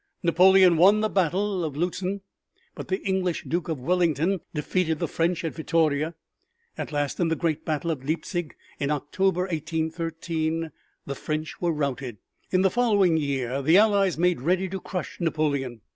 Napoleon won the battle of Lutzen, but the English Duke of Wellington defeated the French at Vittoria. At last in the great battle of Leipzig in October, 1813, the French were routed. In the following year the Allies made ready to crush Napoleon.